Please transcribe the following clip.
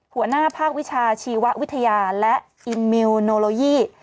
หัวหน้าภาควิชาชีววิทยาและอินมิลโนโลยี